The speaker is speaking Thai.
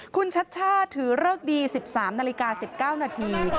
คุณชัชชาถือเลิกดี๑๓นาฬิกา๑๙นาที